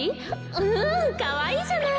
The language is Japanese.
うんかわいいじゃない。